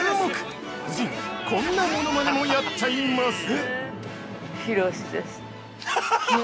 こんなモノマネもやっちゃいます！